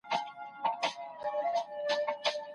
تخیل ستاسو د فکرونو هنداره ده.